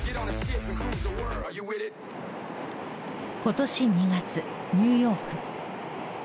今年２月ニューヨーク。